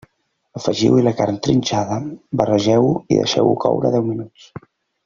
Afegiu-hi la carn trinxada, barregeu-ho i deixeu-ho coure deu minuts.